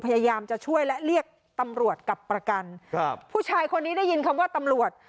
พยายามจะช่วยและเรียกตำรวจกับประกันครับผู้ชายคนนี้ได้ยินคำว่าตำรวจ